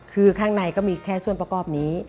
คือข้างในก็มีแค่ส่วนประกอบนี้